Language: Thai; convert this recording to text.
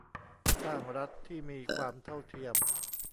สร้างรัฐที่มีความเท่าเทียม